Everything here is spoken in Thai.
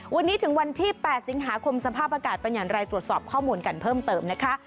วันนี้ถึงวันที่๘สิงหาคมสภาพอากาศเป็นอย่างไรตรวจสอบข้อมูลกันเพิ่มเติมนะคะ